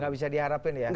gak bisa diharapkan